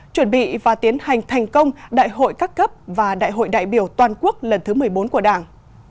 chuẩn bị và tiến hành thành công đại hội các cấp và đại hội đại biểu toàn quốc lần thứ một mươi bốn của đảng